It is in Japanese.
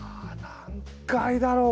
何回だろう？